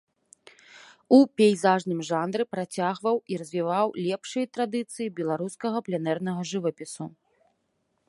У пейзажным жанры працягваў і развіваў лепшыя традыцыі беларускага пленэрнага жывапісу.